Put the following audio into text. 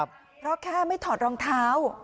เพราะแค่ไม่ถอดรองเท้า